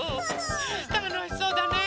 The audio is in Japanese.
たのしそうだねえ！